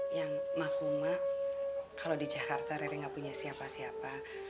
yang mahkumah kalau di jakarta re enggak punya siapa siapa